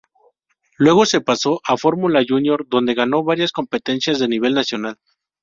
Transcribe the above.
Luego se pasó a Fórmula Júnior, donde ganó varias competencias de nivel nacional.